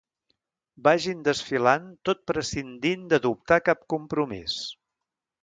Vagin desfilant tot prescindint d'adoptar cap compromís.